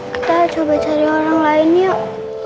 kita coba cari orang lain yuk